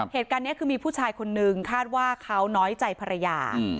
เหตุการณ์นี้คือมีผู้ชายคนนึงคาดว่าเขาน้อยใจภรรยา